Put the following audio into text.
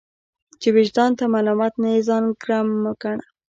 چي وجدان ته ملامت نه يې ځان ګرم مه ګڼه!